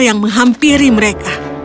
yang menghampiri mereka